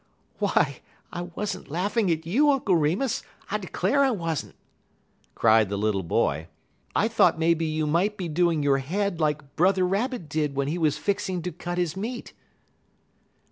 "Why, I was n't laughing at you, Uncle Remus; I declare I was n't," cried the little boy. "I thought maybe you might be doing your head like Brother Rabbit did when he was fixing to cut his meat."